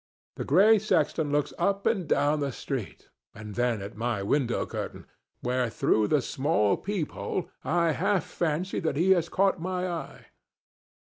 The gray sexton looks up and down the street and then at my window curtain, where through the small peephole I half fancy that he has caught my eye.